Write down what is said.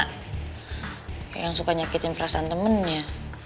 kayak yang suka nyakitin perasaan temennya